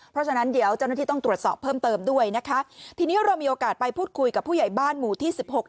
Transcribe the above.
เพราะฉะนั้นเดี๋ยวเจ้าหน้าที่ต้องตรวจสอบเพิ่มเติมด้วยนะคะทีนี้เรามีโอกาสไปพูดคุยกับผู้ใหญ่บ้านหมู่ที่สิบหก